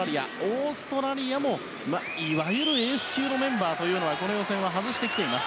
オーストラリアもいわゆるエース級のメンバーは予選は外してきています。